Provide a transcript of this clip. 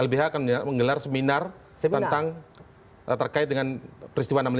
lbh akan menggelar seminar tentang terkait dengan peristiwa enam puluh lima